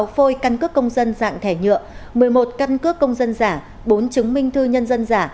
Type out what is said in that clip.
một mươi phôi căn cước công dân dạng thẻ nhựa một mươi một căn cước công dân giả bốn chứng minh thư nhân dân giả